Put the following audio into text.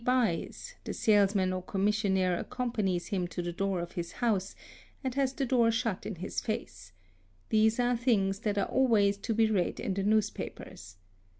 buys, the salesman or commissionaire accompanies him to the door of his house, and has the door shut in his _face—these are things that are always to be read in the newspapers.